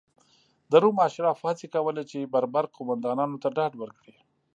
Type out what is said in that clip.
د روم اشرافو هڅې کولې چې بربر قومندانانو ته ډاډ ورکړي.